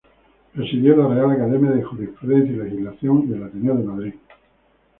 Presidió la Real Academia de Jurisprudencia y Legislación y el Ateneo de Madrid.